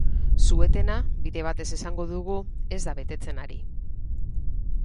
Su-etena, bide batez esango dugu, ez da betetzen ari.